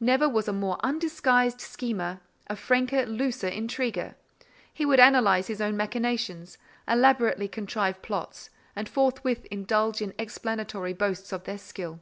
Never was a more undisguised schemer, a franker, looser intriguer. He would analyze his own machinations: elaborately contrive plots, and forthwith indulge in explanatory boasts of their skill.